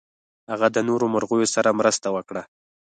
هغه د نورو مرغیو سره مرسته وکړه.